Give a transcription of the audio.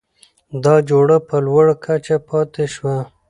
دا جوړه په لوړه کچه پاتې شوه؛